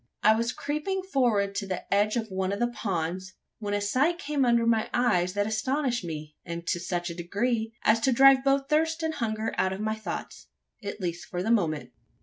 I was creeping forward to the edge of one of the ponds, when a sight came under my eyes that astonished me; and to such a degree, as to drive both thirst and hunger out of my thoughts at least for the moment.